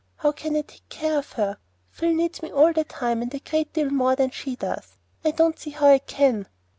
How can I take care of her? Phil needs me all the time, and a great deal more than she does; I don't see how I can."